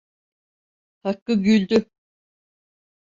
Hakkı güldü.